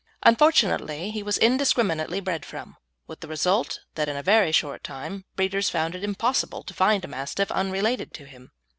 Unfortunately, he was indiscriminately bred from, with the result that in a very short time breeders found it impossible to find a Mastiff unrelated to him.